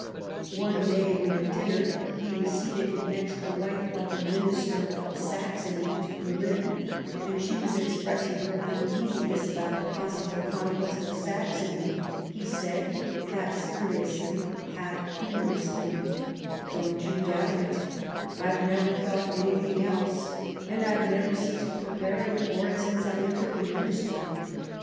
One day when, at dinner, he was seated next the wife 84 Sadowa of the Minister of Saxony to Berlin, and she was expressing her uneasiness about the possible con quest of Saxony, he said, half seriously, half humor ously :" Don't you doubt it ; I've never thought any thing else, and I've never ceased preparing for it since I entered the Ministry.